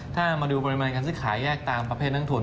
ถ้ามาดูปริมาณการซื้อขายแยกตามประเภทนักทุน